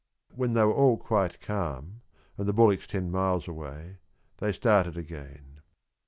When they were all quite calm and the bullocks ten miles away, they started again.